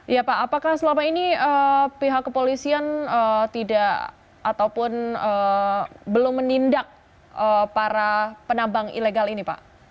ya pak apakah selama ini pihak kepolisian tidak ataupun belum menindak para penambang ilegal ini pak